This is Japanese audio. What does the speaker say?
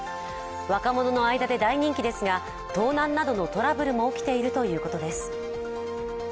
若者の間で大人気ですが、盗難などのトラブルも起きているということです。